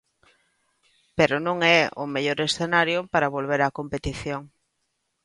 Pero non é o mellor escenario para volver á competición.